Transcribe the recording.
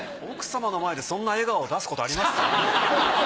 奥様の前でそんな笑顔を出すことはありますか？